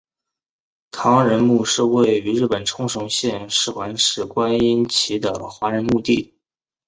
唐人墓是位于日本冲绳县石垣市观音崎的华人墓地。